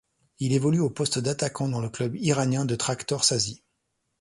Il évolue au poste d'attaquant dans le club iranien de Tractor Sazi.